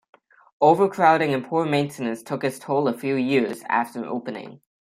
Overcrowding and poor maintenance took its toll a few years after opening.